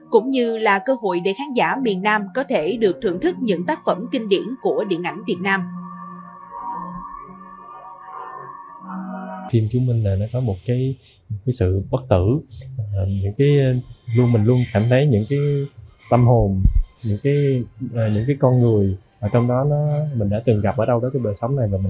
đây là cơ hội để khán giả miền nam có thể được thưởng thức những tác phẩm kinh điển của điện ảnh việt nam